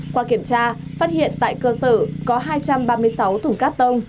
qua kiểm tra phát hiện tại cơ sở có hai trăm ba mươi sáu thùng cát tông